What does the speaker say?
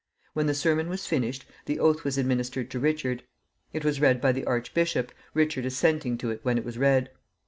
When the sermon was finished, the oath was administered to Richard. It was read by the archbishop, Richard assenting to it when it was read.